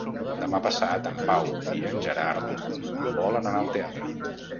Demà passat en Pau i en Gerard volen anar al teatre.